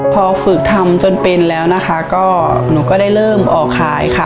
พอฝึกทำจนเป็นแล้วนะคะก็หนูก็ได้เริ่มออกขายค่ะ